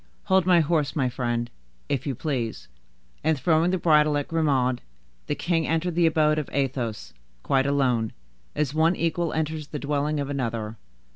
Hold my horse, my friend, if you please." And, throwing the bridle to Grimaud, the king entered the abode of Athos, quite alone, as one equal enters the dwelling of another.